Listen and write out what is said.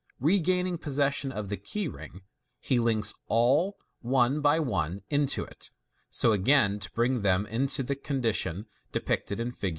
Regaining possession of the key ring, he links all one by one into it, so as again to bring them into the condition depicted in Fig.